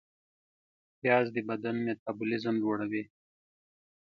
پیاز د بدن میتابولیزم لوړوي